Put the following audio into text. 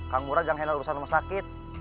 kak ngurah jangan hendak urusan rumah sakit